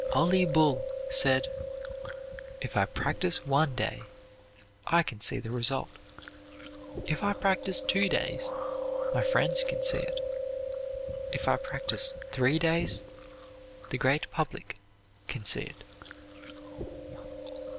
Ole Bull said: "If I practise one day, I can see the result; if I practise two days, my friends can see it; if I practise three days, the great public can see it."